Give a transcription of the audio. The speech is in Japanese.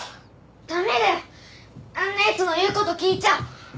駄目だよあんな奴の言う事聞いちゃ。